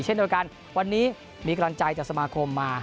เช่นโดยการวันนี้มีกรรณ์ใจจากสมาคมมา